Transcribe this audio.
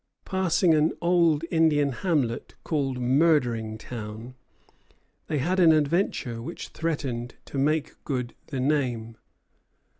Passing an old Indian hamlet called Murdering Town, they had an adventure which threatened to make good the name.